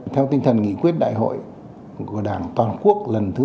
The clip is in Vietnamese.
theo tinh thần nghị quyết đại hội của đảng toàn quốc lần thứ một mươi